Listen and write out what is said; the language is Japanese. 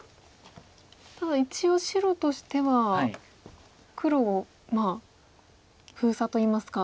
ただ一応白としては黒を封鎖といいますか。